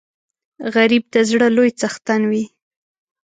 غریب د زړه لوی څښتن وي